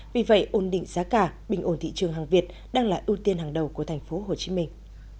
vì vậy ổn định giá cả bình ổn thị trường hàng việt đang là ưu tiên hàng đầu của thành phố hồ chí minh